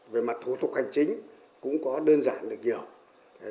về mặt thủ tục hành chính cũng có đơn giản được nhiều